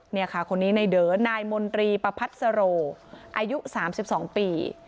เนี่ยค่ะคนนี้ในเด๋อนายมนตรีประพัติสโรอายุสามสิบสองปี